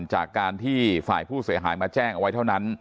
จากการที่ฝ่ายผู้เสียหายมาแจ้งเอาไว้เท่านั้น